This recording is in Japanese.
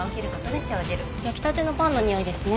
焼きたてのパンのにおいですね。